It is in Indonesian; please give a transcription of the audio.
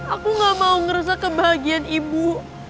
aku gak mau ngerasa kebahagiaan ibu